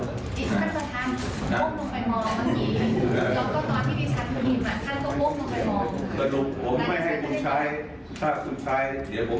ท่านประธานพบลงไปมองเมื่อกี้แล้วก็ตอนที่พี่ชัดผิดมาท่านก็พบลงไปมอง